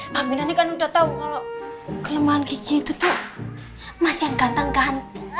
paminan ini kan udah tahu kalo kelemahan kiki itu tuh masih yang ganteng kan